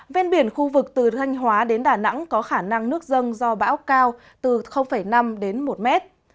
ven biển khu vực từ thanh hóa đến đà nẵng có khả năng nước dâng do bão cao từ năm đến một mét